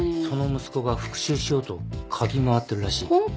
その息子が復讐しようと嗅ぎ回ってるらしい。